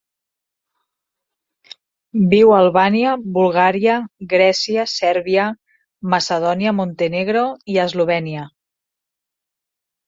Viu a Albània, Bulgària, Grècia, Sèrbia, Macedònia, Montenegro i Eslovènia.